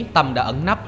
tâm đã ẩn nắp